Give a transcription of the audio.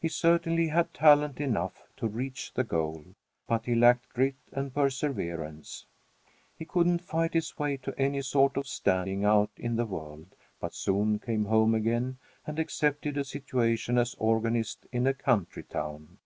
He certainly had talent enough to reach the goal, but he lacked grit and perseverance. He couldn't fight his way to any sort of standing out in the world, but soon came home again and accepted a situation as organist in a country town.